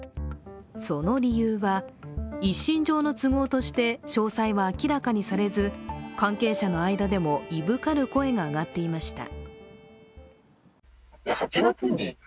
その理由は、一身上の都合として詳細は明らかにされず関係者の間でも、いぶかる声が上がっていました。